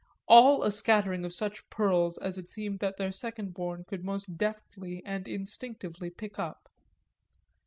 all a scattering of such pearls as it seemed that their second born could most deftly and instinctively pick up.